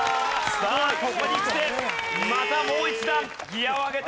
さあここにきてまたもう一段ギアを上げています。